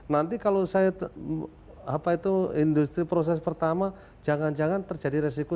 nanti kalau industri proses pertama jangan jangan terjadi resiko